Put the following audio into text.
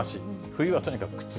冬はとにかく苦痛。